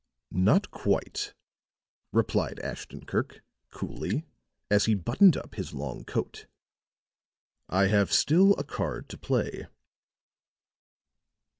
"Not quite," replied Ashton Kirk, coolly, as he buttoned up his long coat. "I have still a card to play."